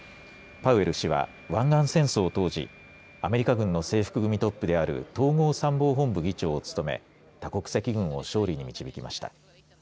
パウエル氏は、湾岸戦争当時アメリカ軍の制服組トップである統合参謀本部議長を務め多国籍軍を勝利に導きました。